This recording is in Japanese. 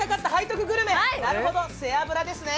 なるほど背脂ですね。